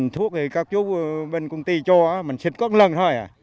thuốc thì các chú bên công ty cho mình xịt có một lần thôi à